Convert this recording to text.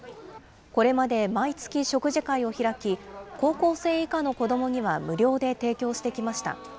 これまで毎月食事会を開き、高校生以下の子どもには無料で提供してきました。